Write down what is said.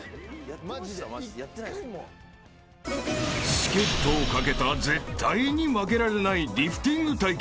［チケットを懸けた絶対に負けられないリフティング対決］